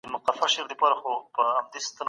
پښتو ژبه د هويت برخه ده.